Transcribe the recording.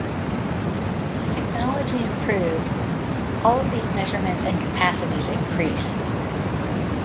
As technology improved, all of these measurements and capacities increased.